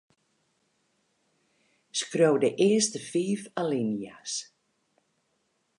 Skriuw de earste fiif alinea's.